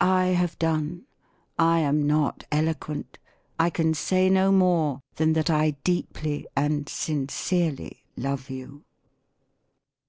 I have done. I am not eloquent : I can say no more, than that I deeply and sincerely love you."